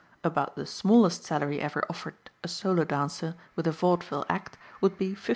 About the smallest salary ever offered a solo dancer with a vaudeville act would be $50.